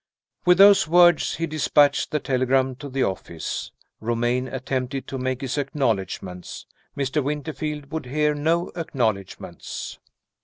With those words, he dispatched the telegram to the office. Romayne attempted to make his acknowledgments. Mr. Winterfield would hear no acknowledgments.